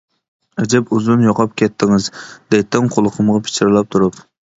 «ئەجەب ئۇزۇن يوقاپ كەتتىڭىز» دەيتتىڭ قۇلىقىمغا پىچىرلاپ تۇرۇپ.